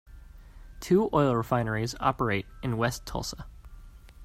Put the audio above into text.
Two oil refineries operate in West Tulsa.